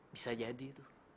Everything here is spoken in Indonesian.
bisa jadi tuh